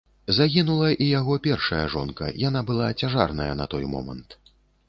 Загінула і яго першая жонка, яна была цяжарная на той момант.